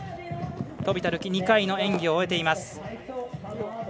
飛田流輝２回の演技を終えています。